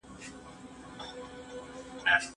موږ طبيعي لېوالتیاوې لرو.